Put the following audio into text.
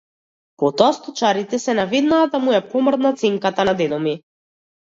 Потоа сточарите се наведнаа да му ја помрднат сенката на дедо ми.